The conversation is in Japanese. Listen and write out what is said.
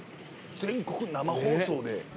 全国生放送で。